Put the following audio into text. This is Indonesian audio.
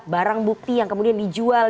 barang bukti yang kemudian dijual